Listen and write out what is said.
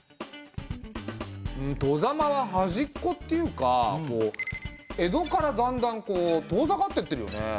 外様は端っこっていうか江戸からだんだん遠ざかってってるよね。